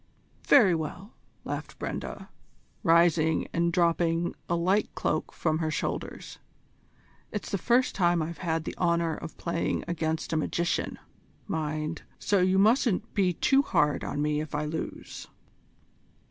"Very well," laughed Brenda, rising and dropping a light cloak from her shoulders. "It's the first time I've had the honour of playing against a magician, mind, so you mustn't be too hard on me if I lose."